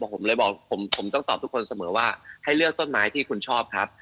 ผมเลยบอกผมต้องตอบทุกคนเสมอว่าให้เลือกต้นไม้ที่คุณชอบครับ